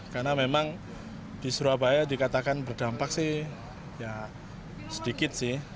karena memang di surabaya dikatakan berdampak sih ya sedikit sih